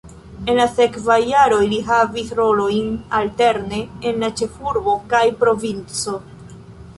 En la sekvaj jaroj li havis rolojn alterne en la ĉefurbo kaj provinco.